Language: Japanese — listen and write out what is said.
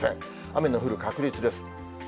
雨の降る確率です。